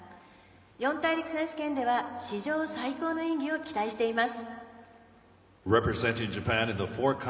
四大陸選手権では史上最高の演技を期待しています。